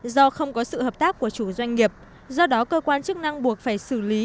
do không có sự hợp tác của chủ doanh nghiệp do đó cơ quan chức năng buộc phải xử lý